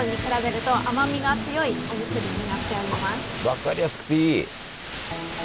分かりやすくていい！